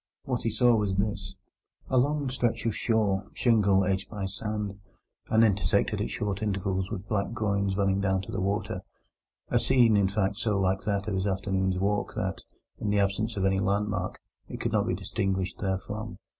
What he saw was this: A long stretch of shore—shingle edged by sand, and intersected at short intervals with black groynes running down to the water—a scene, in fact, so like that of his afternoon's walk that, in the absence of any landmark, it could not be distinguished therefrom.